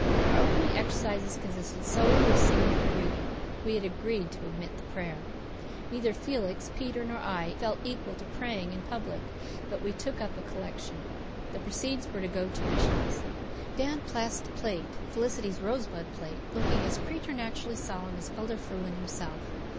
Our opening exercises consisted solely of singing and reading. We had agreed to omit prayer. Neither Felix, Peter nor I felt equal to praying in public. But we took up a collection. The proceeds were to go to missions. Dan passed the plate Felicity's rosebud plate looking as preternaturally solemn as Elder Frewen himself.